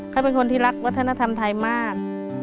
เขาเป็นคนที่รักวัฒนธรรมไทยมาก